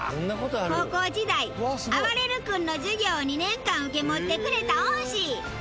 高校時代あばれる君の授業を２年間受け持ってくれた恩師。